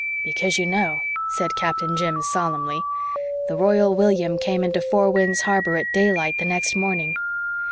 "Because, you know," said Captain Jim solemnly, "the Royal William came into Four Winds Harbor at daylight the next morning.